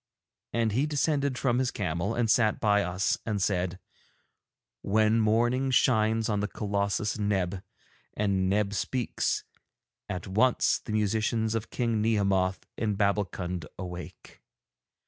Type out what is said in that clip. And he descended from his camel and sat by us and said: 'When morning shines on the colossus Neb and Neb speaks, at once the musicians of King Nehemoth in Babbulkund awake.